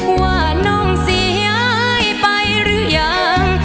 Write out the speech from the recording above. ว่าน้องสิย้ายไปรึยัง